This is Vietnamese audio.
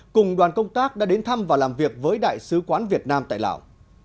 cùng đoàn công tác đã đến thăm và làm việc với đại sứ quán việt nam tại lào